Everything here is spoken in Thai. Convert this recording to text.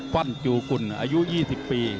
ปั้นจูกุลอายุ๒๐ปี